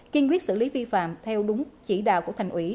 kiên quyết xử lý vi phạm theo đúng chỉ đạo của thành ủy